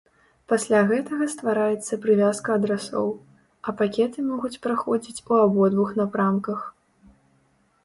Пасля гэтага ствараецца прывязка адрасоў, а пакеты могуць праходзіць ў абодвух напрамках.